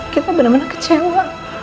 kita benar benar kecewa